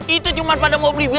itu cuma pada mau beli bus